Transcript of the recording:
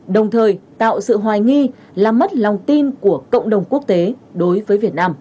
đồng thời tạo sự hoài nghi làm mất lòng tin của cộng đồng quốc tế đối với việt nam